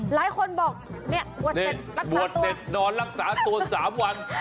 หลายคนบอกเนี่ยสวดเสร็จนอนรักษาตัว๓วัน